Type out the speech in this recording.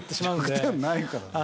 弱点ないからね。